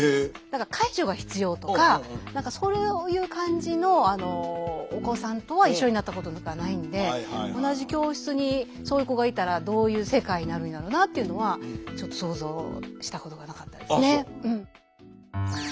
介助が必要とか何かそういう感じのお子さんとは一緒になったことがないんで同じ教室にそういう子がいたらどういう世界になるんやろなっていうのはちょっと想像したことがなかったですね。